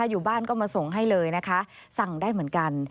อยู่บ้านก็มาส่งให้เลยนะคะสั่งได้เหมือนกัน